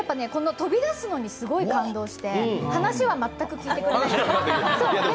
飛び出すのにすごい感動して話は全く聞いてくれない。